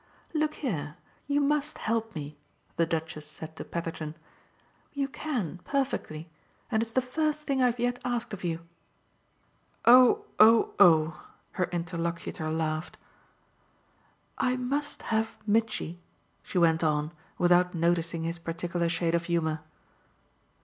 "Look here you must help me," the Duchess said to Petherton. "You can, perfectly and it's the first thing I've yet asked of you." "Oh, oh, oh!" her interlocutor laughed. "I must have Mitchy," she went on without noticing his particular shade of humour.